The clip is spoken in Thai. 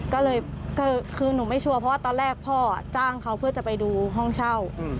ก็เลยก็คือหนูไม่ชัวร์เพราะว่าตอนแรกพ่อจ้างเขาเพื่อจะไปดูห้องเช่า